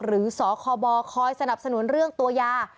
หรือสคบคอยสนับสนุนเรื่องตัวยา